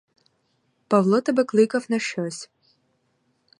Павло тебе кликав на щось.